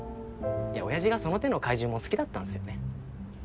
いや親父がその手の怪獣モノ好きだったんっすよね。